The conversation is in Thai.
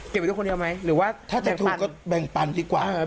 เก็บไว้ดูคนเดียวไหมหรือว่าแบ่งปันถ้าถูกก็แบ่งปันดีกว่า